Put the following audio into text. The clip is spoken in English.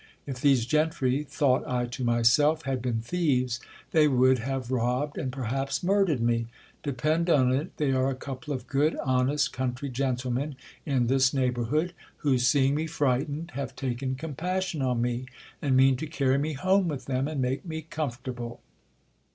If these gentry, thought I to myself, had been thieves, they would have robbed, and perhaps murdered me. Depend on it, they are a couple of good honest country gentlemen in this neighbourhood, who, seeing me frightened, have taken compassion on me, and mean to cany me home with them and make me comfortable.